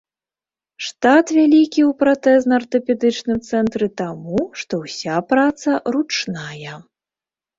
Штат вялікі ў пратэзна-артапедычным цэнтры таму, што ўся праца ручная.